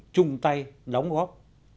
trung tay đóng góp